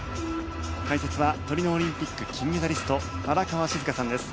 解説はトリノオリンピック金メダリスト荒川静香さんです。